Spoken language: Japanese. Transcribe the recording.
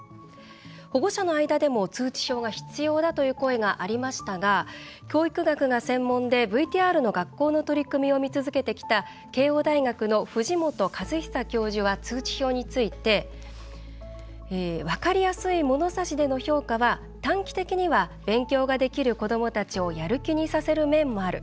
保護者の間でも通知表が必要だという声がありましたが教育学が専門でＶＴＲの学校の取り組みを見続けてきた慶應大学の藤本和久教授は通知表について分かりやすいものさしでの評価は短期的には勉強ができる子どもたちをやる気にさせる面もある。